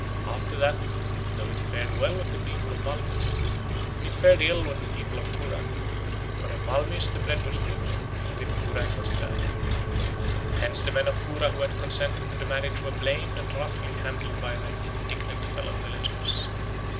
After that, though it fared well with the people of Malmyz, it fared ill with the people of Cura; for in Malmyz the bread was good, but in Cura it was bad. Hence the men of Cura who had consented to the marriage were blamed and roughly handled by their indignant fellow villagers.